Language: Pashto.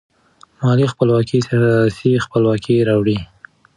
مالي خپلواکي سیاسي خپلواکي راوړي.